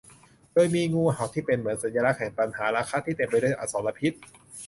โดยมีงูเห่าเป็นเสมือนสัญลักษณ์แห่งตัณหาราคะที่เต็มไปด้วยอสรพิษ